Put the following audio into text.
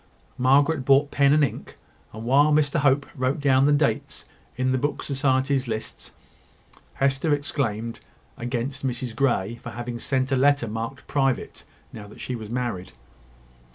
Margaret brought pen and ink; and while Mr Hope wrote down the dates in the Book Society's list, Hester exclaimed against Mrs Grey for having sent her a letter marked "Private," now that she was married.